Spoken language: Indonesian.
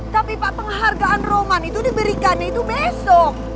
tapi pak penghargaan roman itu diberikannya itu besok